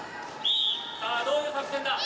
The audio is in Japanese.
さあどういう作戦だ？